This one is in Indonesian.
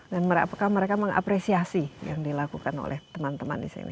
dan apakah mereka mengapresiasi yang dilakukan oleh teman teman di sini